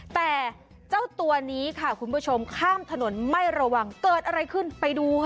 แต่เจ้าตัวนี้ค่ะคุณผู้ชมข้ามถนนไม่ระวังเกิดอะไรขึ้นไปดูค่ะ